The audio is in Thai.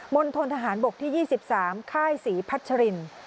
ณฑนทหารบกที่๒๓ค่ายศรีพัชริน